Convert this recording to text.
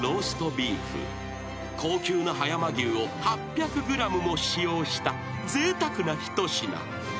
［高級な葉山牛を８００ｇも使用したぜいたくな一品］